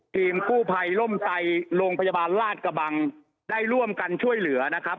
ทีมกู้ภัยร่มไซโรงพยาบาลลาดกระบังได้ร่วมกันช่วยเหลือนะครับ